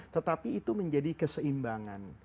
tetapi itu menjadi keseimbangan